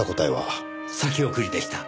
先送りでした。